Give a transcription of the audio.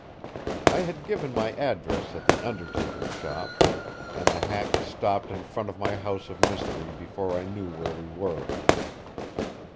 I had given my address at the undertaker's shop, and the hack stopped in front of my house of mystery before I knew where we were.